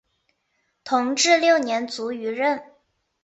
同治六年卒于任。